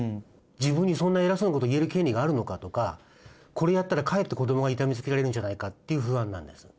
自分にそんな偉そうなこと言える権利があるのかとかこれやったらかえって子どもが痛めつけられるんじゃないかっていう不安なんです。